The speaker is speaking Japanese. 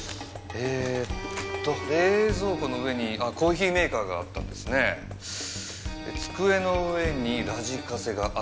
えーっと冷蔵庫の上にコーヒーメーカーがあって机の上にラジカセがあった。